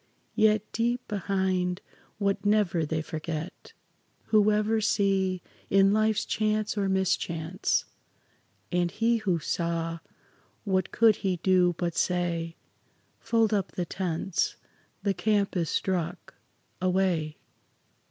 Yet deep behind what never they forget, Who ever see in life's chance or mischance. And he who saw, what could he do but say, "Fold up the tents; the camp is struck; away!